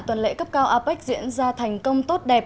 tuần lễ cấp cao apec diễn ra thành công tốt đẹp